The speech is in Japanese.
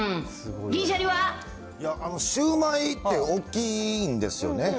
いや、あのシューマイって大きいんですよね。